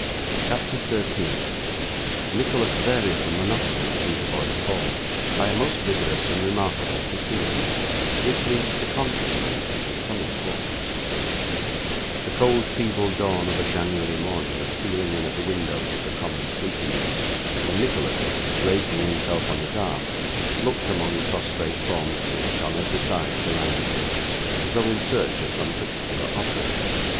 CHAPTER 13 Nicholas varies the Monotony of Dothebys Hall by a most vigorous and remarkable proceeding, which leads to Consequences of some Importance The cold, feeble dawn of a January morning was stealing in at the windows of the common sleeping room, when Nicholas, raising himself on his arm, looked among the prostrate forms which on every side surrounded him, as though in search of some particular object.